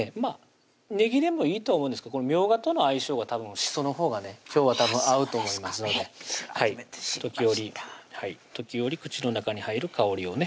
ねぎでもいいと思うんですけどみょうがとの相性がたぶんしそのほうがね今日は合うと思いますので時折口の中に入る香りをね